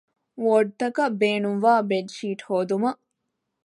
ވޯޑްތަކަށް ބޭނުންވާ ބެޑްޝީޓް ހޯދުމަށް